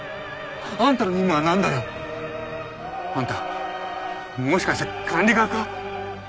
あんたの任務は何だよ。あんたもしかして管理側か？